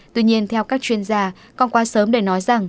tuy nhiên theo các chuyên gia còn quá sớm để nói rằng